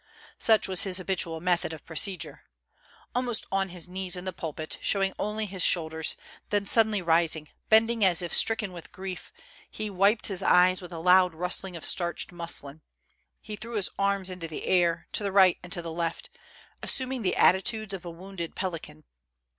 Such was his habitual method of procedure. Almost on his knees in the pulpit, show ing only his shoulders, then suddenly rising, bending as if stricken with grief, he wiped his eyes with a loud rustling of starched muslin, he threw his arms into the air, to the right and to the left, assuming the attitudes of a wounded pelican.